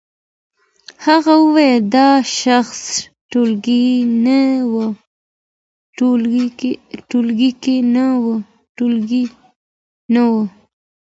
هغه وايي دا شخصي ټولګه نه وه.